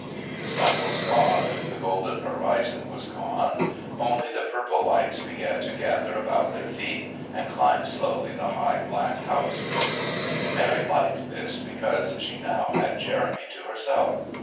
The sun was gone, the golden horizon was gone only the purple lights began to gather about their feet and climb slowly the high black houses. Mary liked this, because she now had Jeremy to herself.